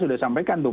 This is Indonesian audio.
sudah sampaikan tuh